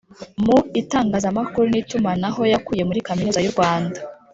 Mu Itangazamakuru n’Itumanaho yakuye muri Kaminuza y’u Rwanda